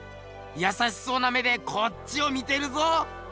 優しそうな目でこっちを見てるぞ。